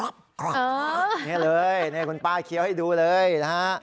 นี่เลยนี่คุณป้าเคี้ยวให้ดูเลยนะฮะ